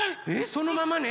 そのままね。